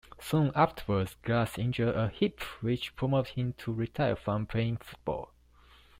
Soon afterwards, Glass injured a hip, which prompted him to retire from playing football.